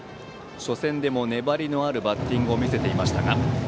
初戦でも粘りのあるバッティングを見せていました。